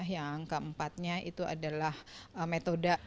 yang keempatnya itu adalah metode